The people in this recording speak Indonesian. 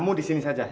kamu di sini saja